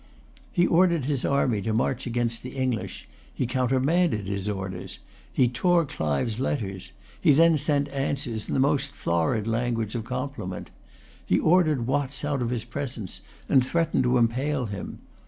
He ordered his army to march against the English. He countermanded his orders. He tore Clive's letters. He then sent answers in the most florid language of compliment. He ordered Watts out of his presence, and threatened to impale him.